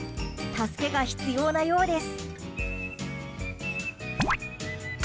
助けが必要なようです。